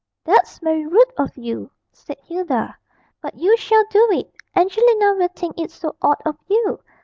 'That's very rude of you,' said Hilda, 'but you shall do it. Angelina will think it so odd of you.